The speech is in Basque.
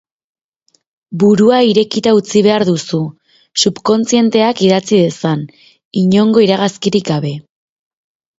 Burua irekita utzi behar duzu, subkontzienteak idatzi dezan, inongo iragazkirik gabe.